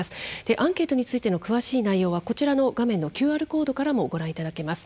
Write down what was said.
アンケートについての詳しい内容はこちらの画面のＱＲコードからもご覧いただけます。